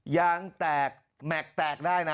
ยางแตกแม็กซ์แตกได้นะ